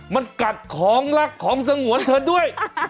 มันกัดของรักของสงวนเธอด้วย